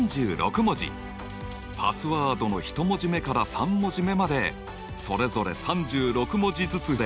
パスワードの１文字目から３文字目までそれぞれ３６文字ずつで